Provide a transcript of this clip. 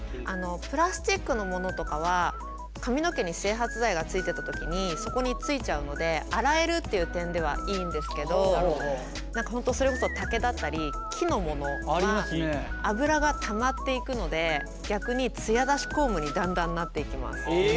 プラスチックのものとかは髪の毛に整髪剤がついてた時にそこについちゃうので洗えるっていう点ではいいんですけど何か本当それこそ竹だったり木のものは油がたまっていくので逆にツヤ出しコームにだんだんなっていきます。え！？